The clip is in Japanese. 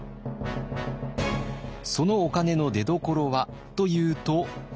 そのお金の出どころはというと。